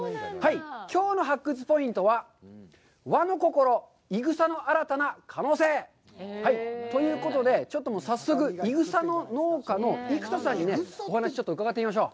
きょうの発掘ポイントは、和の心、いぐさの新たな可能性ということで、ちょっとさっそくいぐさの農家の生田さんにお話を伺ってみましょう。